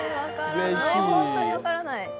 本当に分からない。